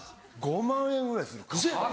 ５万円ぐらいするカッパ。